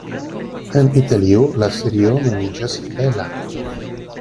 En Italio la serio nomiĝas "Bela".